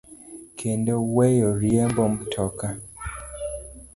kendo weyo riembo mtoka.